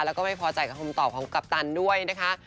แล้วก็ไม่พอใจกับคำตอบของกัปตันด้วยนะคะ